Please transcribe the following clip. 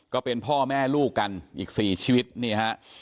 ก็เป็นพ่อแม่ลูกกันอีก๔ชีวิตนี่ฮะ